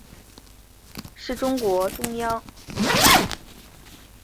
是中国中央电视台制作并播出的一部展现中国重大工程项目的纪录片。